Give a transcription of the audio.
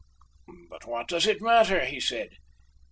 "But what does it matter?" he said.